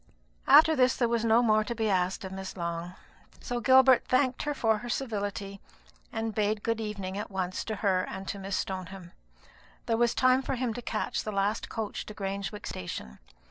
After this, there was no more to be asked of Miss Long; so Gilbert thanked her for her civility, and bade good evening at once to her and to Miss Stoneham. There was time for him to catch the last coach to Grangewick station.